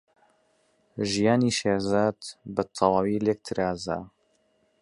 ژیانی شێرزاد بەتەواوی لێک ترازا.